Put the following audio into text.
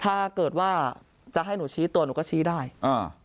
ถ้าเกิดว่าจะให้หนูชี้ตัวหนูก็ชี้ได้อ่า